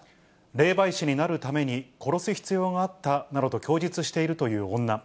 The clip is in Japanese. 霊媒師になるために殺す必要があったなどと供述しているという女。